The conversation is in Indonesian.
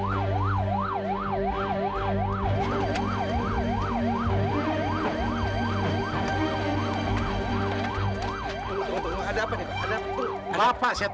ada apa pak